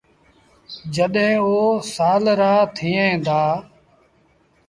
جڏهيݩ او سآل رآ ٿئيڻ دآ۔